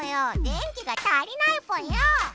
電気が足りないぽよ！